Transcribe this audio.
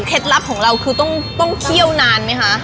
ลับของเราคือต้องเคี่ยวนานไหมคะ